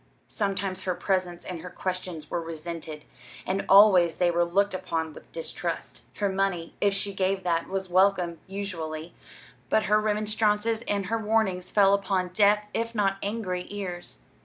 Sometimes her presence and her questions were resented, and always they were looked upon with distrust. Her money, if she gave that, was welcome, usually; but her remonstrances and her warnings fell upon deaf, if not angry, ears.